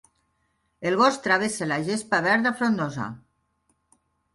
El gos travessa la gespa verda frondosa.